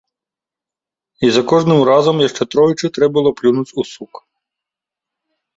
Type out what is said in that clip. І за кожным разам яшчэ тройчы трэ было плюнуць у сук.